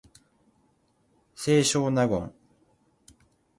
清少納言